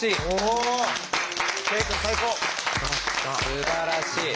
すばらしい。